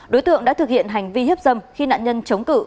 đối tượng đã thực hiện hành vi hiếp dâm khi nạn nhân chống cự